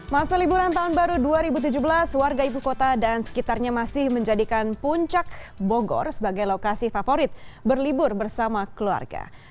masa liburan tahun baru dua ribu tujuh belas warga ibu kota dan sekitarnya masih menjadikan puncak bogor sebagai lokasi favorit berlibur bersama keluarga